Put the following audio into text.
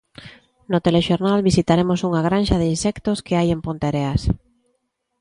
No telexornal visitaremos unha granxa de insectos que hai en Ponteareas.